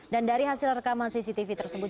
dan dari hasil rekaman cctv tersebut